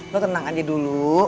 lo tenang aja dulu